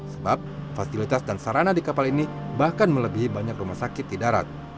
sebab fasilitas dan sarana di kapal ini bahkan melebihi banyak rumah sakit di darat